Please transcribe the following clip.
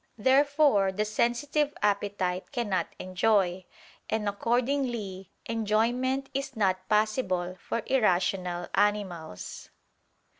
Therefore the sensitive appetite cannot enjoy: and accordingly enjoyment is not possible for irrational animals.